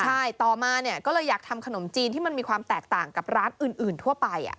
ใช่ต่อมาเนี่ยก็เลยอยากทำขนมจีนที่มันมีความแตกต่างกับร้านอื่นทั่วไป